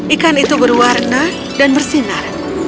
ikan itu berwarna dan bersinar